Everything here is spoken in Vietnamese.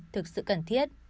thực sự cần thiết